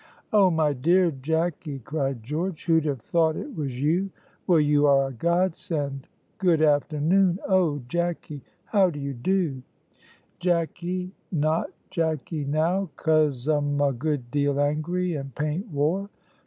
"Oh, my dear Jacky," cried George, "who'd have thought it was you! Well, you are a godsend! Good afternoon. Oh, Jacky! how d'ye do?" "Jacky not Jacky now, cos um a good deal angry, and paint war.